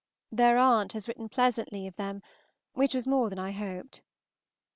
Their aunt has written pleasantly of them, which was more than I hoped.